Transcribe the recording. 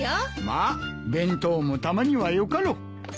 まあ弁当もたまにはよかろう。